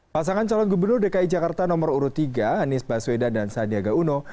pasangan calon gubernur dki jakarta nomor urut tiga anies baswedan dan sandiaga uno